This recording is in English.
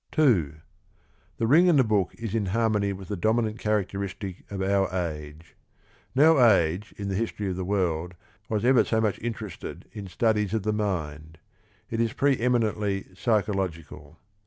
2. The Ring and the Book is in harmony with the dominant characteristic of our age. No age in the history of the world was ever so much in terested in studies of the mind : it is pre eminently psychological.